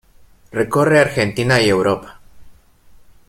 Recorre Argentina y Europa.